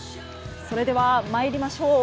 それでは参りましょう。